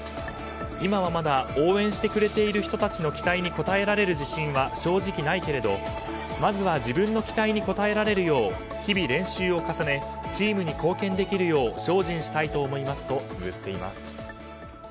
今はまだ応援してくれている人たちの期待に応えられる自信は正直ないけれどまずは自分の期待に応えられるよう日々練習を重ねチームに貢献できるよう精進したいと思いますとつづっています。